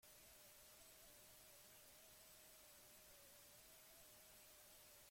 Euskarak marketina behar du erosiko badigute.